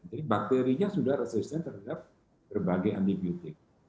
jadi bakterinya sudah resisten terhadap berbagai antibiotik